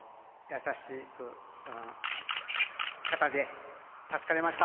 優しい方で助かりました。